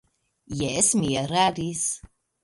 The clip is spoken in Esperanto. Jes, mi eraris.